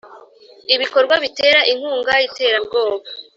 ibikorwa bitera inkunga iterabwoba